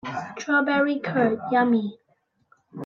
Strawberry curd, yummy!